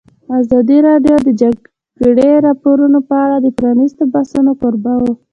ازادي راډیو د د جګړې راپورونه په اړه د پرانیستو بحثونو کوربه وه.